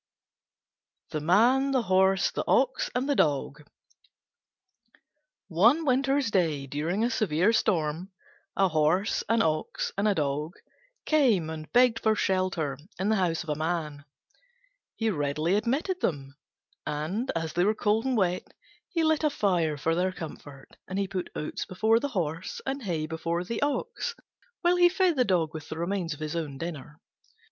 THE MAN, THE HORSE, THE OX, AND THE DOG One winter's day, during a severe storm, a Horse, an Ox, and a Dog came and begged for shelter in the house of a Man. He readily admitted them, and, as they were cold and wet, he lit a fire for their comfort: and he put oats before the Horse, and hay before the Ox, while he fed the Dog with the remains of his own dinner.